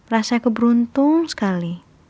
rasanya aku beruntung sekali